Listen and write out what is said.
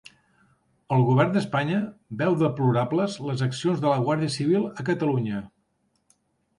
El govern d'Espanya veu deplorables les accions de la Guàrdia Civil a Catalunya